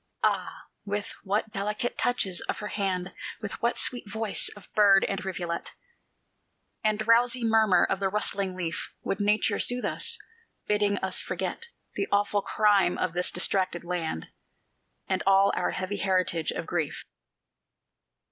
Ah, with what delicate touches of her hand, With what sweet voice of bird and rivulet And drowsy murmur of the rustling leaf Would Nature soothe us, bidding us forget The awful crime of this distracted land And all our heavy heritage of grief.